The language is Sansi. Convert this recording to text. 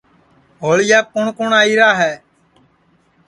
ہوݪیاپ کُوٹؔ کُوٹؔ آئیرا ہے